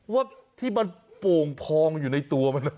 ว่าที่มันโป่งพองอยู่ในตัวมัน